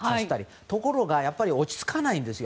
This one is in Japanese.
ところが落ち着かないんですよ。